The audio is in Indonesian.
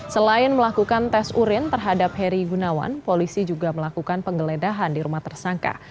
selain melakukan tes urin terhadap heri gunawan polisi juga melakukan penggeledahan di rumah tersangka